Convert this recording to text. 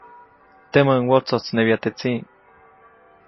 Temäʼuŋ wotsojtsnebya teʼ tsiʼ.